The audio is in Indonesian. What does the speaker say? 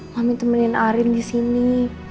mami temenin arin di sini